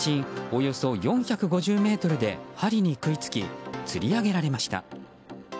およそ４５０ｍで針に食いつき釣り上げられました。